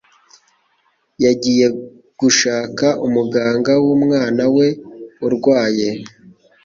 Yagiye gushaka umuganga w'umwana we urwaye.